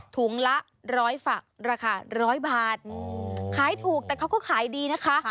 ถุงละร้อยฝักราคาร้อยบาทขายถูกแต่เขาก็ขายดีนะคะ